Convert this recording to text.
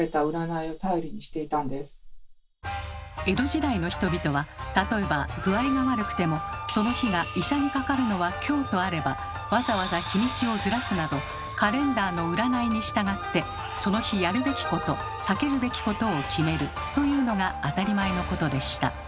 江戸時代の人々は例えば具合が悪くてもその日が医者にかかるのは「凶」とあればわざわざ日にちをずらすなどカレンダーの占いに従ってその日やるべきこと避けるべきことを決めるというのが当たり前のことでした。